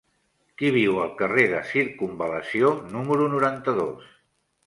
Qui viu al carrer de Circumval·lació número noranta-dos?